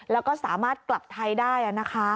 แล้วก็สามารถกลับไทยได้นะคะ